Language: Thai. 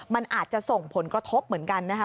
มันอาจจะส่งผลกระทบเหมือนกันนะคะ